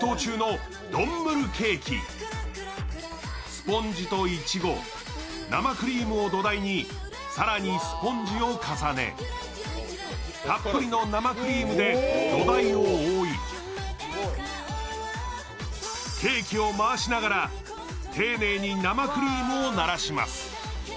スポンジといちご、生クリームを土台に更にスポンジを重ね、たっぷりの生クリームで土台を覆い、ケーキを回しながら丁寧に生クリームをならします。